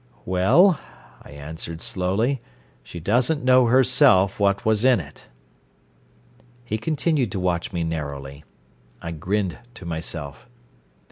"Well," I answered slowly, "she doesn't know herself what was in it." He continued to watch me narrowly. I grinned to myself.